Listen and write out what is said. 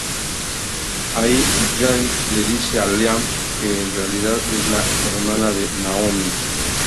Ahí, Jen le dice a Liam que en realidad es la hermana de Naomi.